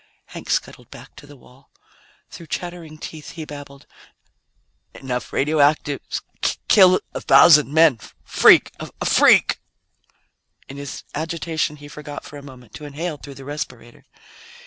Hank scuttled back to the wall. Through chattering teeth he babbled, "... enough radioactives ... kill a thousand men ... freak ... a freak ..." In his agitation he forgot for a moment to inhale through the respirator.